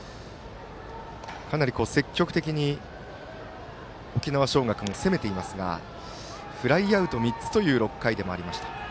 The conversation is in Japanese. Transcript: かなり積極的に沖縄尚学も攻めていますがフライアウト３つという６回でもありました。